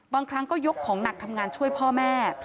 บางครั้งก็ยกของหนักทำงานช่วยพ่อแม่